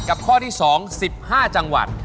ข้อที่๒๑๕จังหวัด